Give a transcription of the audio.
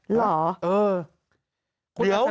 เหรอเหรอ